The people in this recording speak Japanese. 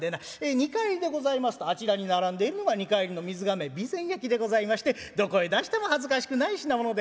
２荷入りでございますとあちらに並んでいるのが２荷入りの水瓶備前焼でございましてどこへ出しても恥ずかしくない品物で」。